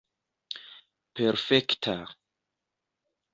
perfekta